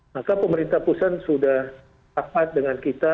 maka pemerintah pusat sudah rapat dengan kita